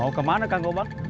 mau kemana kang gobang